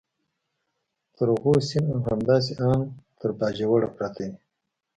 تر غو سین او همداسې ان تر باجوړه پراته دي.